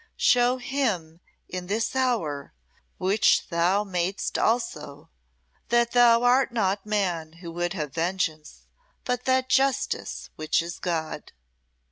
Show him in this hour, which Thou mad'st also, that Thou art not Man who would have vengeance, but that justice which is God."